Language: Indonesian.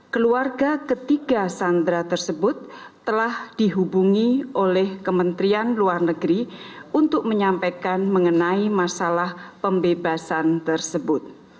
keluarga ketiga sandera tersebut telah dihubungi oleh kementerian luar negeri untuk menyampaikan mengenai masalah pembebasan tersebut